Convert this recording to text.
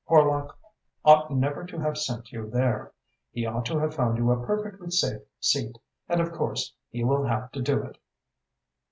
Horlock ought never to have sent you there. He ought to have found you a perfectly safe seat, and of course he will have to do it."